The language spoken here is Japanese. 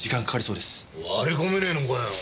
割り込めねえのかよ。